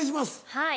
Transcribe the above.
はい。